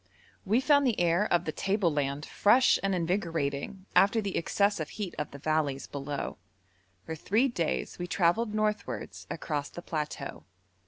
We found the air of the table land fresh and invigorating after the excessive heat of the valleys below. For three days we travelled northwards across the plateau.